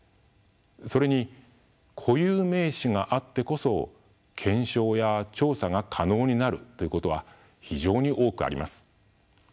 それに固有名詞があってこそ検証や調査が可能になるということは非常に多くあります。